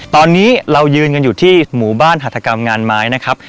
ตอนนี้เรายืนกันอยู่ที่หมู่บ้านหัฐกรรมงานไม้นะครับ